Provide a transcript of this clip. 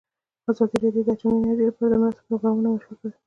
ازادي راډیو د اټومي انرژي لپاره د مرستو پروګرامونه معرفي کړي.